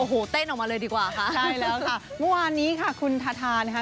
โอ้โหเต้นออกมาเลยดีกว่าค่ะใช่แล้วค่ะเมื่อวานนี้ค่ะคุณทาทานะคะ